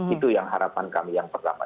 itu yang harapan kami yang pertama